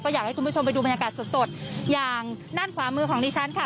อยากให้คุณผู้ชมไปดูบรรยากาศสดสดอย่างด้านขวามือของดิฉันค่ะ